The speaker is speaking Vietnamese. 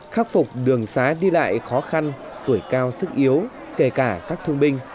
khắc phục đường xá đi lại khó khăn tuổi cao sức yếu kể cả các thương binh